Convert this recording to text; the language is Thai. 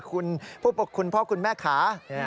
คุณพ่อคุณแม่ขา